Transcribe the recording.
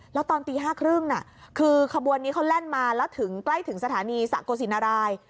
แล้วตอนตี๕๓๐คือขบวนนี้เขาแล่นมาแล้วถึงใกล้ถึงสถานีสะโกศินาราย